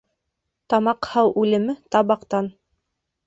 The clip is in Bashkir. Тамаҡһау үлеме табаҡтан